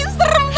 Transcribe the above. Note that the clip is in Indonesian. serem banget sih